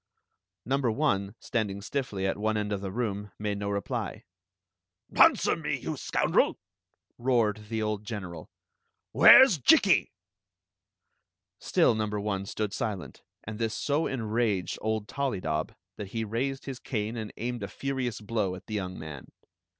" Number one, standing stiffly at one end of the room, made no reply. "Answer me. you scoundrel!" roared the old een eral. "Where 's Jikki?" Still number one stood silent, and this so enraged old Tollydob that he raised his cane and aimed a furious blow at the young man.